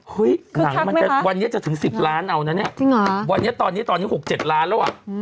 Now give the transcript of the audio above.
คือพักซักแมาคดีมากกรุงประโยชน์วันนี้จะถึง๑๐ล้านวันนี่จะถึง๖๗ล้านแล้ว